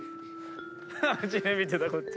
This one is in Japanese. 知念見てたこっち。